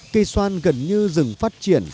cây xoan gần như rừng phát triển